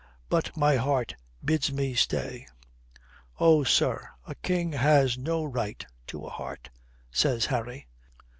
"But my heart bids me stay." "Oh, sir, a king has no right to a heart," says Harry.